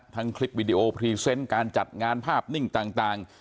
คลิปวิดีโอพรีเซนต์การจัดงานภาพนิ่งต่าง